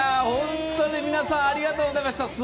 本当に皆さんありがとうございました。